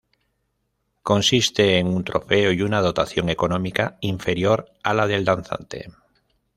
Consiste en un trofeo y una dotación económica inferior a la del Danzante.